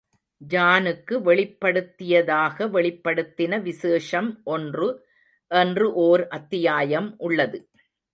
ஜானுக்கு வெளிப்படுத்தியதாக வெளிப்படுத்தின விசேஷம் ஒன்று என்று ஓர் அத்தியாயம் உள்ளது.